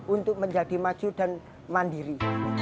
untuk menjadi maju dan mandiri